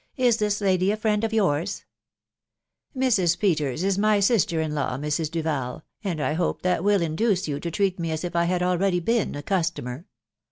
Is this lady a friend of yours ?"" Mrs. Peters is my sister in law, Mrs. Duval, and I hope that will induce you to treat me as if I had. already been a customer.